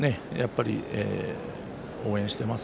応援しています。